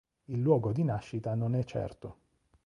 Il luogo di nascita non è certo.